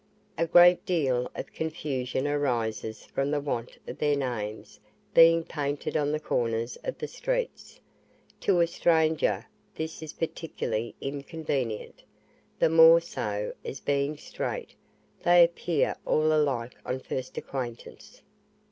A great deal of confusion arises from the want of their names being painted on the corners of the streets: to a stranger, this is particularly inconvenient, the more so, as being straight, they appear all alike on first acquaintance.